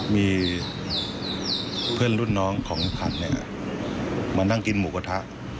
มีเพื่อนรุ่นน้องของพันธุ์มานั่งกินหมูกระทะ